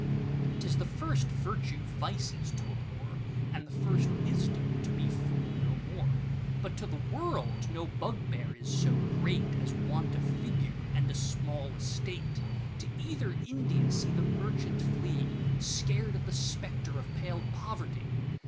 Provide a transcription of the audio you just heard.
'T is the first virtue vices to abhor, And the first wisdom to be fool no more:But to the world no bugbear is so greatAs want of figure and a small Estate.To either India see the merchant fly, Scared at the spectre of pale Poverty!